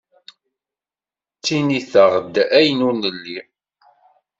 Ttiniteɣ-d ayen ur nelli.